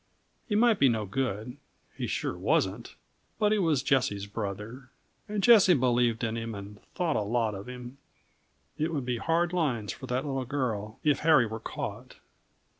He might be no good he sure wasn't! but he was Jessie's brother, and Jessie believed in him and thought a lot of him. It would be hard lines for that little girl if Harry were caught.